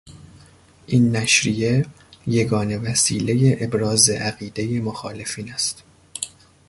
این نشریه یگانه وسیلهی ابراز عقیدهی مخالفین است.